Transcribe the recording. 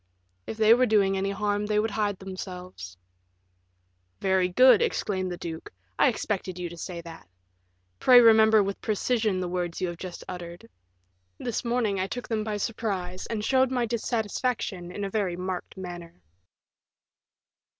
"If they were doing any harm they would hide themselves." "Very good," exclaimed the duke, "I expected you to say that. Pray remember with precision the words you have just uttered. This morning I took them by surprise, and showed my dissatisfaction in a very marked manner."